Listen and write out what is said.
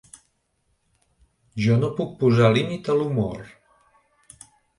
Jo no puc posar límit a l’humor.